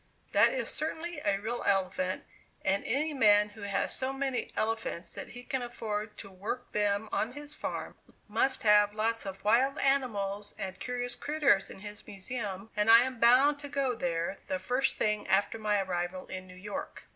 That is certainly a real elephant and any man who has so many elephants that he can afford to work them on his farm, must have lots of wild animals and curious 'critters' in his Museum, and I am bound to go there the first thing after my arrival in New York."